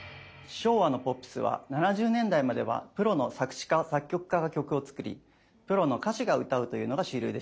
昭和のポップスは７０年代まではプロの作詞家作曲家が曲を作りプロの歌手が歌うというのが主流でした。